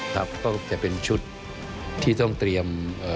ครับก็จะเป็นชุดที่ต้องเตรียม